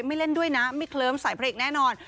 ไม่เล่นด้วยนะไม่เคลิ้มสายพระเอกแน่นอน